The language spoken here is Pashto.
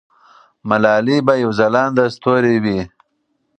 ملالۍ به یو ځلانده ستوری وي.